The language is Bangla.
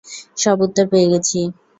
সব উত্তর পেয়ে গেছি।